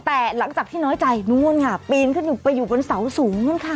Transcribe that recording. แต่หลังจากที่น้อยใจนู่นค่ะปีนขึ้นไปอยู่บนเสาสูงนู้นค่ะ